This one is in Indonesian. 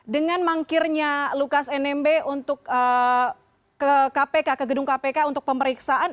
dengan mangkirnya lukas nmb untuk ke kpk ke gedung kpk untuk pemeriksaan